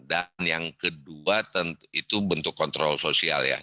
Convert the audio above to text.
dan yang kedua itu bentuk kontrol sosial ya